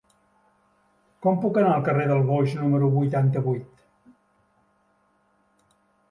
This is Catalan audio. Com puc anar al carrer del Boix número vuitanta-vuit?